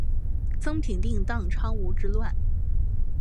曾平定宕昌羌之乱。